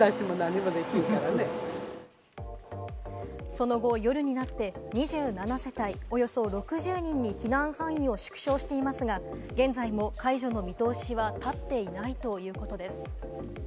その後、夜になって２７世帯、およそ６０人に避難範囲を縮小していますが、現在も解除の見通しは立っていないということです。